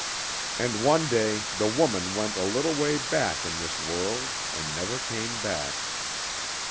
And one day the woman went a little way back in this world and never came back.